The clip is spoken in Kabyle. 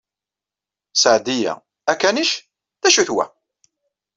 Seɛdiya: Akanic? D acu-t wa?